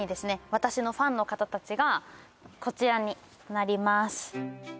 私のファンの方たちがこちらになります